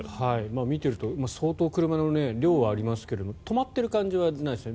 見ていると相当、車の量はありますが止まっている感じはないですね。